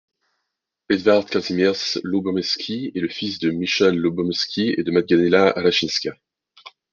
Edward Kazimierz Lubomirski est le fils de Michał Lubomirski et de Magdalena Raczyńska.